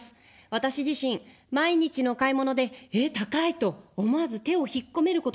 私自身、毎日の買い物で、え、高いと思わず手を引っ込めることがあります。